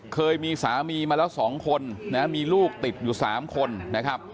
เคยมีสามีมาแล้ว๒คนนะมีลูกติดอยู่๓คนนะครับ